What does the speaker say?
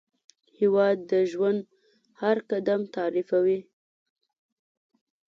هېواد د ژوند هر قدم تعریفوي.